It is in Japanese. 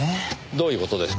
どういう事ですか？